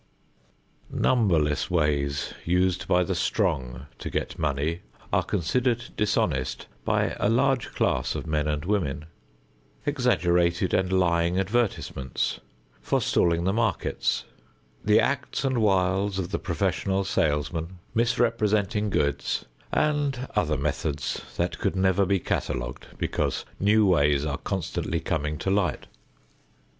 Numberless ways used by the strong to get money are considered dishonest by a large class of men and women: exaggerated and lying advertisements, forestalling the markets, the acts and wiles of the professional salesman, misrepresenting goods and other methods that could never be catalogued because new ways are constantly coming to light.